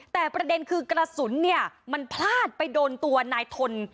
แต่ประเด็นคือกระสุนเนี่ยมันพลาดไปโดนตัวนายทน